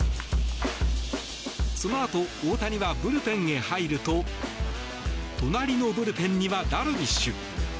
そのあと大谷はブルペンへ入ると隣のブルペンにはダルビッシュ。